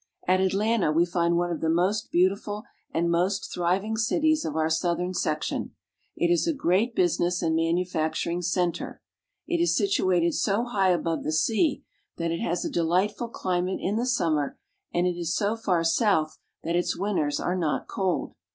At Atlanta we find one of the most beautiful and most thriving cities of our southern section. It is a great busi ness and manufacturing center. It is situated so high above the sea that it has a delightful cli mate in the summer, and it is so far south that its winters are not cold.